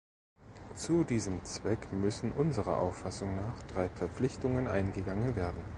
Zu diesem Zweck müssen unserer Auffassung nach drei Verpflichtungen eingegangen werden.